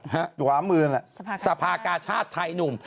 หวามือนั่นแหละสภากาชาติไทยหนุ่ม